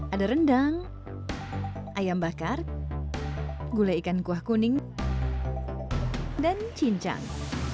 ada rendang ayam bakar gulai ikan kuah kuning dan cincang